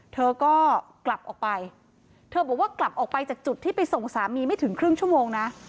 เธอก็กลับออกไปเธอบอกว่ากลับออกไปจากจุดที่ไปส่งสามีไม่ถึงครึ่งชั่วโมงนะ